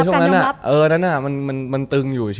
เออช่วงนั้นน่ะเออนั้นน่ะมันตึงอยู่